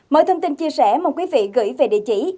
mọi thông tin chia sẻ mời quý vị gửi về địa chỉ